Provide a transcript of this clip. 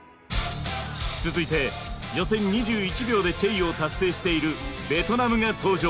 続いて予選２１秒でチェイヨーを達成しているベトナムが登場。